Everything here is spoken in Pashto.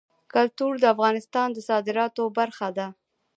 کلتور د افغانستان د صادراتو برخه ده.